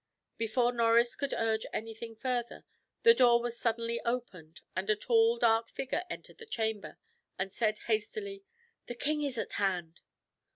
Before Norris could urge anything further, the door was suddenly opened, and a tall dark figure entered the chamber, and said hastily "The king is at hand."